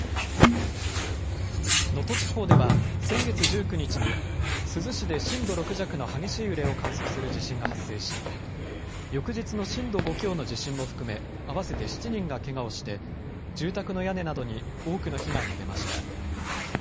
能登地方では先月１９日に珠洲市で震度６弱の激しい揺れを観測する地震が発生し翌日の震度５強の地震も含め合わせて７人がけがをして住宅の屋根などに多くの被害が出ました。